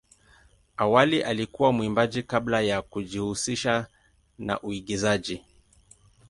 Awali alikuwa mwimbaji kabla ya kujihusisha na uigizaji.